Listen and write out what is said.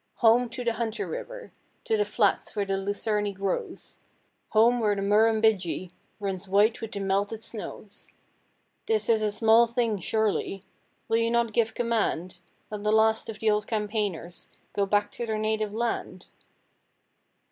'Home to the Hunter River, To the flats where the lucerne grows; Home where the Murrumbidgee Runs white with the melted snows. 'This is a small thing surely! Will not you give command That the last of the old campaigners Go back to their native land?'